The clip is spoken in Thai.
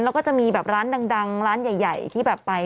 แล้วก็จะมีแบบร้านดังร้านใหญ่ที่แบบไป